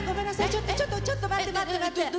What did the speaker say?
ちょっとちょっとちょっと待って待って待って。